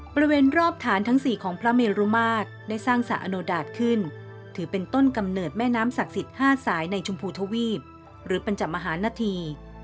บริเวณรอบฐานทั้ง๔ของพระเมรุมาตรได้สร้างสระอโนดาตขึ้นถือเป็นต้นกำเนิดแม่น้ำศักดิ์สิทธิ์๕สายในชมพูทวีปหรือปัญจมหานธี